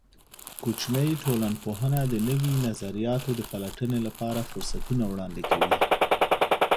کوچنۍ ټولنپوهنه د نوي نظریاتو د پلټنې لپاره فرصتونه وړاندې کوي.